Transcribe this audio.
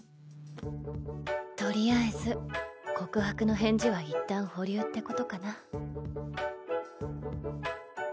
とりあえず告白の返事は一旦保留ってことかな。